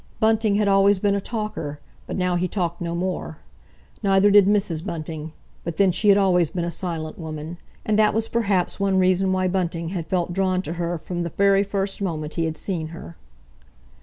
Bunting had always been a talker, but now he talked no more. Neither did Mrs. Bunting, but then she had always been a silent woman, and that was perhaps one reason why Bunting had felt drawn to her from the very first moment he had seen her.